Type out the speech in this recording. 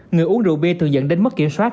người uống rượu bia thường dẫn đến mất kiểm soát